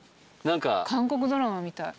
韓国ドラマみたい。